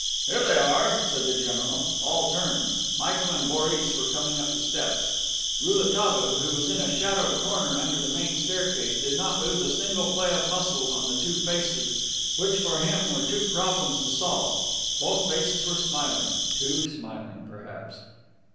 "Here they are," said the general. All turned. Michael and Boris were coming up the steps. Rouletabille, who was in a shadowed corner under the main staircase, did not lose a single play of muscle on the two faces which for him were two problems to solve. Both faces were smiling; too smiling, perhaps.